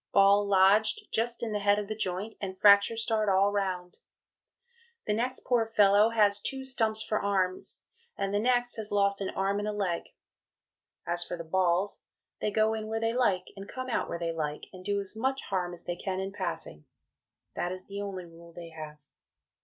Ball lodged just in the head of the joint and fracture starred all round. The next poor fellow has two Stumps for arms, and the next has lost an arm and a leg. As for the Balls they go in where they like and come out where they like and do as much harm as they can in passing. That is the only rule they have....